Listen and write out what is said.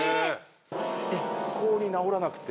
一向に治らなくて。